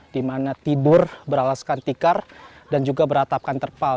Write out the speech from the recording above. dimana tidur beralaskan tikar dan juga beratapkan terpal